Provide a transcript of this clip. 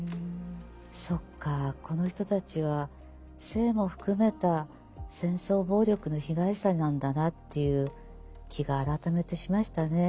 そっかこの人たちは性も含めた戦争暴力の被害者なんだなっていう気が改めてしましたね。